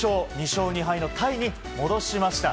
２勝２敗のタイに戻しました。